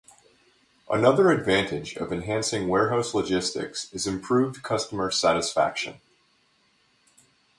Another advantage of enhancing warehouse logistics is improved customer satisfaction.